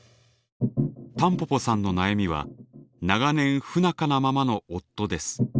たんぽぽさんの悩みは長年不仲なままの夫です。